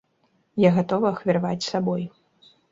Я гатова ахвяраваць сабой.